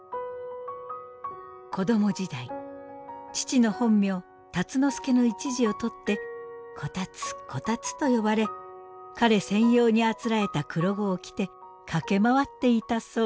子供時代父の本名辰之助の一字を取って「小辰小辰」と呼ばれ彼専用にあつらえた黒子を着て駆け回っていたそう。